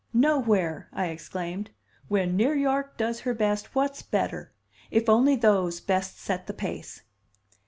"Nowhere!" I exclaimed. "When Near York does her best, what's better? If only those best set the pace!"